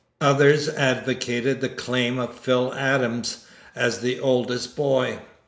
Others advocated the claim of Phil Adams as the oldest boy.